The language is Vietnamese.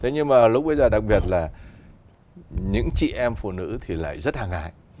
thế nhưng mà lúc bây giờ đặc biệt là những chị em phụ nữ thì lại rất hàng hài